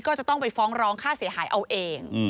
ก็จะต้องไปฟ้องร้องค่าเสียหายเอาเอง